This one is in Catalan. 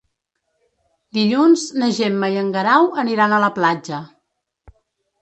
Dilluns na Gemma i en Guerau aniran a la platja.